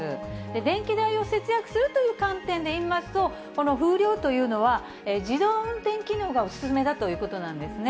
電気代を節約するという観点でいいますと、この風量というのは、自動運転機能がお勧めだということなんですね。